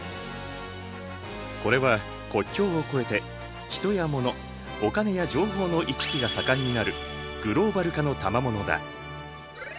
これは国境を越えて人や物お金や情報の行き来が盛んになるグローバル化のたまものだ。